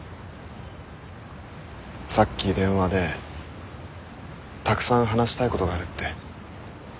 さっき電話でたくさん話したいことがあるって。